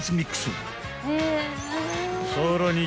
［さらに］